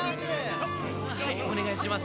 はいお願いします。